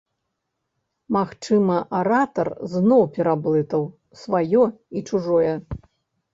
Магчыма, аратар зноў пераблытаў сваё і чужое?